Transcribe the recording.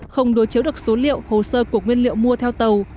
không đối chiếu được số liệu hồ sơ của nguyên liệu mua theo tàu